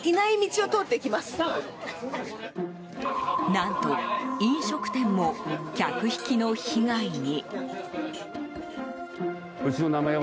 何と、飲食店も客引きの被害に。